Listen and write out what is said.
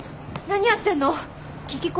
何やってんの？